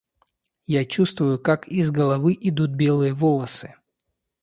Я чувствую, как из головы идут белые волосы.